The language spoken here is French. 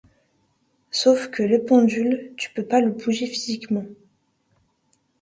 Sauf que le pendule, tu peux pas le bouger physiquement.